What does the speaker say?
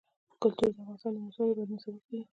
کلتور د افغانستان د موسم د بدلون سبب کېږي.